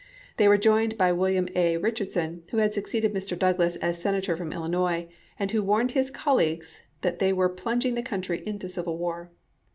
They were joined by William A. Richard « Giobe," son, who had succeeded Mr. Douglas as Senator from 1863^ p. 709. Illinois, and who warned his colleagues that they were plunging the country into civil war.